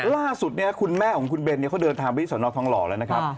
ล่าสุดเนี่ยคุณแม่ของคุณเบนเขาเดินทางไปที่สนทองหล่อแล้วนะครับ